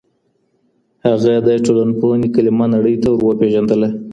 هغه د ټولنپوهنې کلمه نړۍ ته ور وپېژندله.